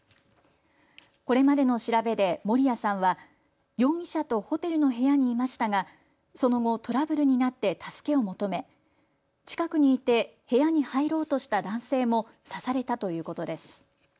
これまでの調べで守屋さんは容疑者とホテルの部屋にいましたがその後、トラブルになって助けを求め近くにいて部屋に入ろうとした男性も刺されたということです。